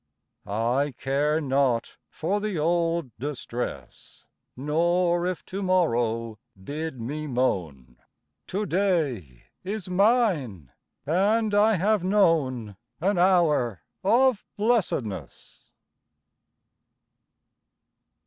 I care not for the old distress, Nor if to morrow bid me moan; To day is mine, and I have known An hour of blessedness.